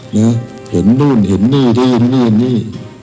เห็นนู่นเห็นนี่นี่นี่นี่